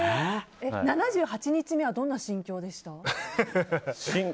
７８日目はどんな心境でした？